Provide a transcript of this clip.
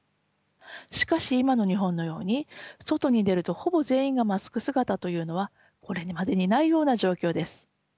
しかし今の日本のように外に出るとほぼ全員がマスク姿というのはこれまでにないような状況です。